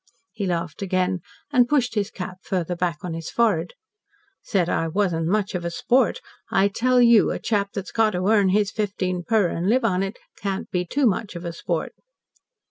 He laughed again and pushed his cap farther back on his forehead. "Said I wasn't much of a sport. I tell YOU, a chap that's got to earn his fifteen per, and live on it, can't be TOO much of a sport."